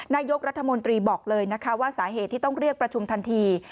นายกรัฐมนตรีบอกเลยนะคะว่าสาเหตุที่ต้องเรียกประชุมทันที